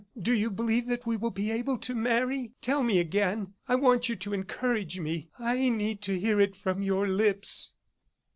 Do you believe that we will be able to marry? ... Tell me again. I want you to encourage me ... I need to hear it from your lips."